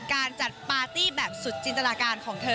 การจัดปาร์ตี้แบบสุดจินตนาการของเธอ